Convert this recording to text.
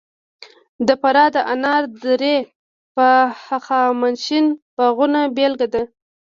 د فراه د انار درې د هخامنشي باغونو بېلګه ده